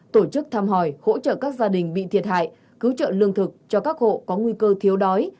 tổ chức thăm hỏi hỗ trợ các gia đình bị thiệt hại cứu trợ lương thực cho các hộ có nguy cơ thiếu đói